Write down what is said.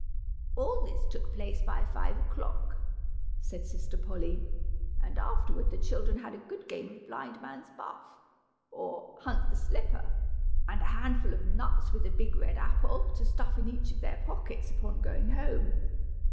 "All this took place by five o'clock," said sister Polly, "and afterward the children had a good game of 'blind man's buff,' or 'hunt the slipper' and a handful of nuts with a big red apple, to stuff in each of their pockets upon going home.